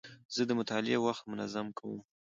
زه د مطالعې وخت منظم کوم.